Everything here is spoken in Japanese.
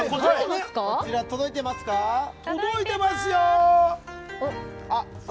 届いてますよ。